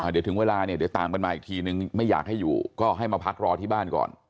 เดี๋ยวถึงเวลาเนี่ยเดี๋ยวตามกันมาอีกทีนึงไม่อยากให้อยู่ก็ให้มาพักรอที่บ้านก่อน